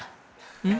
うん？